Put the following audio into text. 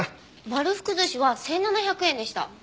丸福寿司は１７００円でした。